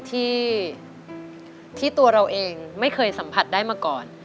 ที่ตัวเราเองไม่เคยสัมผัสได้มาก่อน